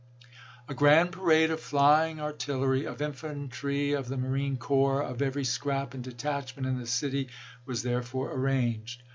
A grand parade of flying artillery, of infantry, of the marine corps, of every scrap and detachment in the city was therefore arranged.